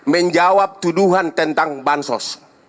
menjawab tuduhan tentang bansos